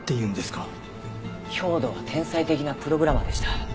兵働は天才的なプログラマーでした。